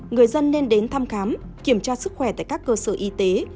người dân nên đến thăm khám kiểm tra sức khỏe tại các cơ sở y tế